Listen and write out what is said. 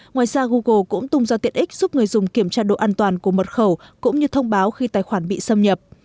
ngoài ra google cũng tung ra tiện ích giúp người dùng kiểm tra độ an toàn của mật khẩu cũng như thông báo khi tài khoản bị xâm nhập